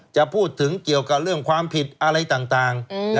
จะพูดถึงเกี่ยวกับเรื่องความผิดอะไรต่าง